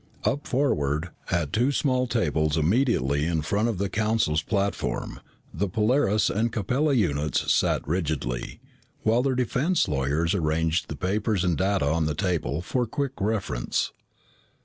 Up forward, at two small tables immediately in front of the Council's platform, the Polaris and Capella units sat rigidly, while their defense lawyers arranged papers and data on the table for quick reference.